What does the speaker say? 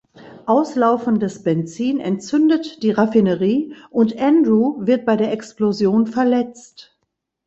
Auslaufendes Benzin entzündet die Raffinerie und Andrew wird bei der Explosion verletzt.